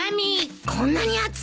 こんなに厚いの？